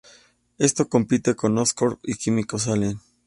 Esto compite con Oscorp y Químicos Allen.